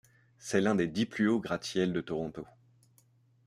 C'est l'un des dix plus haut gratte-ciel de Toronto.